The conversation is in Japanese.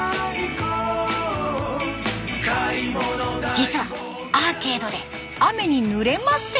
実はアーケードで雨にぬれません。